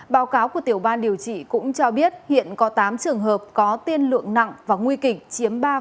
báo cáo của tiểu ban điều trị cũng cho biết hiện có tám trường hợp có tiên lượng nặng và nguy kịch chiếm ba bốn